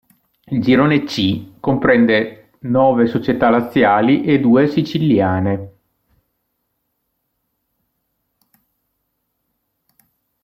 Il girone C comprende nove società laziali e due siciliane.